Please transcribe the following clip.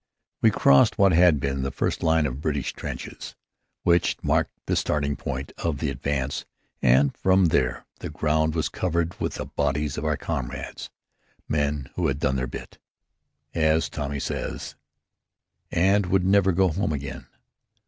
We crossed what had been the first line of British trenches, which marked the starting point of the advance, and from there the ground was covered with the bodies of our comrades, men who had "done their bit," as Tommy says, and would never go home again.